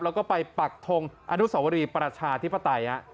แล้วก็ไปปักทงอนุสวรีประชาธิปไตย